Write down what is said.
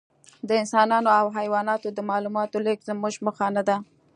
د انسانانو او حیواناتو د معلوماتو لېږد زموږ موخه نهده.